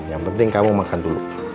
yang penting kamu makan dulu